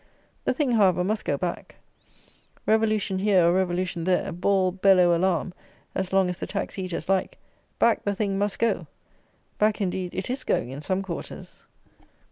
The thing, however, must go back. Revolution here or revolution there: bawl, bellow, alarm, as long as the tax eaters like, back the thing must go. Back, indeed, it is going in some quarters.